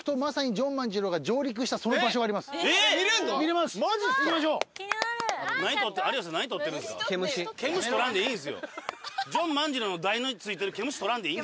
ジョン万次郎の台についてる毛虫撮らんでいい。